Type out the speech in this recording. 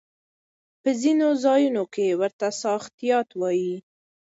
په ځينو ځايونو کې ورته ساختيات وايي.